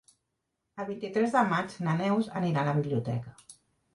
El vint-i-tres de maig na Neus anirà a la biblioteca.